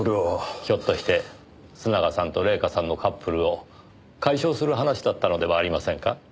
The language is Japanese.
ひょっとして須永さんと礼夏さんのカップルを解消する話だったのではありませんか？